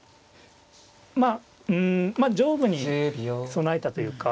まあうん上部に備えたというか。